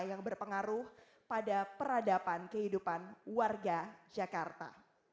yang berpengaruh pada peradaban kehidupan warga jakarta